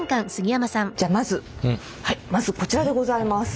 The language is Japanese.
じゃあまずまずこちらでございます。